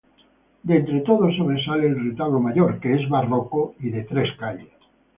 De entre todos sobresale el retablo mayor, que es barroco y de tres calles.